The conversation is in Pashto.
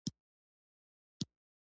شهید شفیق د مظلوم ملت د ګټو شعور درلود.